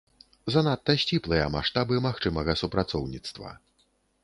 Занадта сціплыя маштабы магчымага супрацоўніцтва.